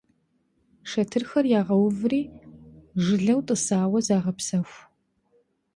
Шэтырхэр ягъэуври жылэу тӀысауэ загъэпсэху.